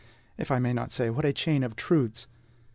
if I may not say, what a chain of truths!